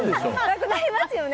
なくなりますよね。